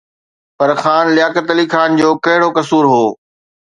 پر خان لياقت علي خان جو ڪهڙو قصور هو؟